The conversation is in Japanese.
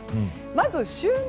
まず週末。